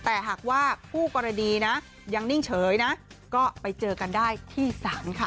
แต่หากว่าคู่กรณีนะยังนิ่งเฉยนะก็ไปเจอกันได้ที่ศาลค่ะ